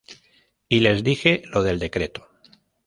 Y les dije lo del decreto.